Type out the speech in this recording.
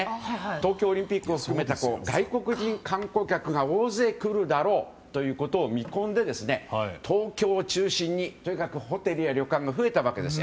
東京オリンピックを含めた外国人観光客が大勢来るだろうということを見込んで東京を中心に、ホテルや旅館が増えたわけです。